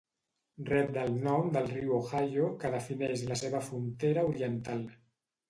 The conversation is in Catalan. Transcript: Rep del nom del riu Ohio, que defineix la seva frontera oriental.